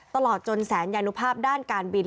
ตลอดจนแสนยานุภาพด้านการบิน